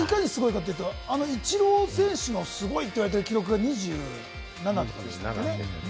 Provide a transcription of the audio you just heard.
これがいかにすごいかというと、あのイチロー選手もすごいと言われている記録が２７でしたっけね？